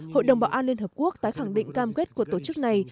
hội đồng bảo an liên hợp quốc tái khẳng định cam kết của tổ chức này